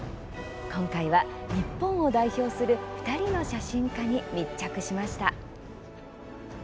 今回は、日本を代表する２人の写真家に密着しました。